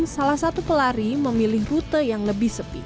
salah satu pelari memilih rute yang lebih sepi